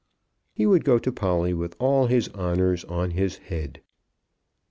He would go to Polly with all his honours on his head.